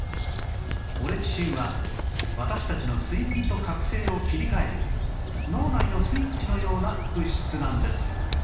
オレキシンは私たちの睡眠と覚醒を切り替える脳内のスイッチのような物質なんです